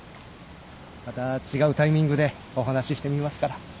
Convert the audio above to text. また違うタイミングでお話ししてみますから。